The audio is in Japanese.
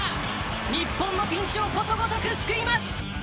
日本のピンチをことごとく救います。